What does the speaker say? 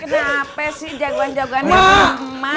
kenapa sih jagoan jagoannya